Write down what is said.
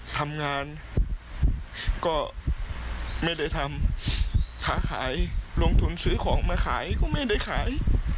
ทำงานก็ไม่ได้ทำค้าขายลงทุนซื้อของมาขายก็ไม่ได้ขาย